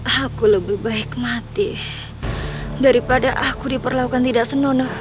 aku lebih baik mati daripada aku diperlakukan tidak senonak